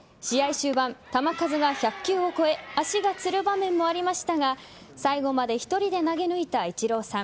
終盤球数が１００球を超え足がつる場面もありましたが最後まで１人で投げ抜いたイチローさん。